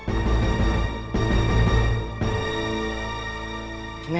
aku dan kamu tidak bisa bersatu